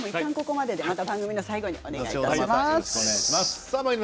また番組の最後にお願いします。